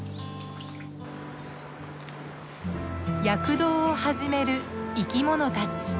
躍動を始める生き物たち。